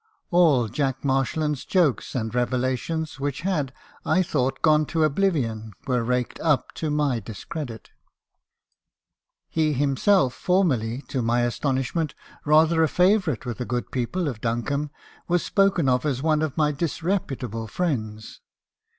All Jack Marshland's jokes and revelations , which had, I thought, gone to oblivion , were 20* 308 hk. Harbison's confessions. raked up to my discredit. He himself, formerly, to my astonish ment, rather a favourite with the good people of Duncombe, was spoken of as one of my disreputable friends.